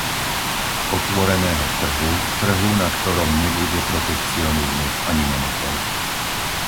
Otvoreného trhu, trhu, na ktorom nebude protekcionizmus ani monopoly.